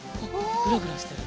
グラグラしてる。